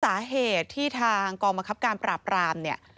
สาเหตุที่ทางกองบังคับการปราบรามเนี่ย